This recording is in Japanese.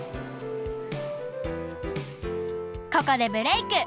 ここでブレーク！